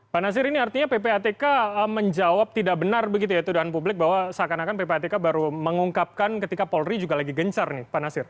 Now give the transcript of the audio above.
pak nasir ini artinya ppatk menjawab tidak benar begitu ya tuduhan publik bahwa seakan akan ppatk baru mengungkapkan ketika polri juga lagi gencar nih pak nasir